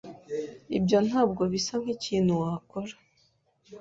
Ibyo ntabwo bisa nkikintu wakora.